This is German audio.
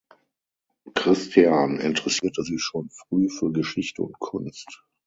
Christian interessierte sich schon früh für Geschichte und Kunst.